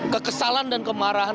kekesalan dan kemarahan